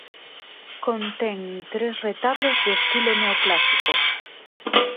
Contén tres retablos de estilo neoclásico.